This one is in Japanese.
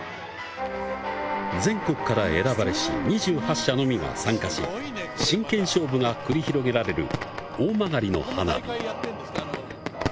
全国から選ばれし２８社のみが参加し、真剣勝負が繰り広げられる大曲の花火。